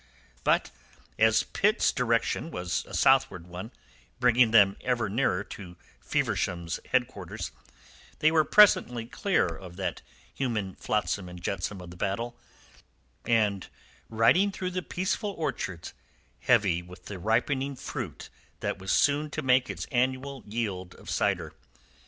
But as Pitt's direction was a southward one, bringing them ever nearer to Feversham's headquarters, they were presently clear of that human flotsam and jetsam of the battle, and riding through the peaceful orchards heavy with the ripening fruit that was soon to make its annual yield of cider.